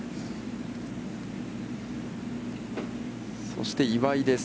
そして岩井です。